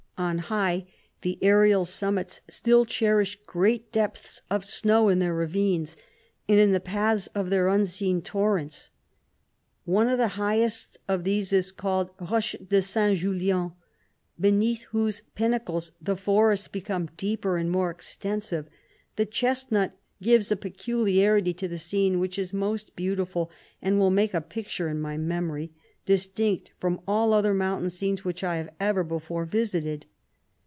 On high, the aerial summits still cherish great depths of snow in their ravines, and in the paths of their unseen torrents. One of the highest of these is called Roche de St. Julien, beneath whose pinnacles the forests become deeper and more extensive ; the chesnut gives a peculiarity to the scene, which is most beautiful, and will make a picture in my memory, distinct from all other mountain scenes which I have ever be fore visited.